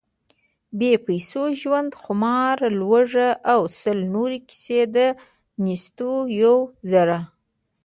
بې پیسو ژوند، خمار، لوږه… او سل نورې کیسې، د نستوه یو زړهٔ: